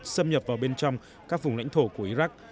xâm nhập vào bên trong các vùng lãnh thổ của iraq